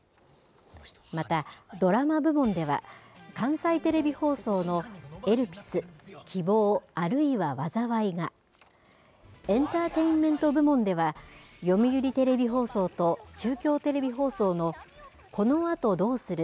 またドラマ部門では、関西テレビ放送のエルピスー希望、あるいは災いーが、エンターテインメント部門では、読売テレビ放送と中京テレビ放送のこの後どうする？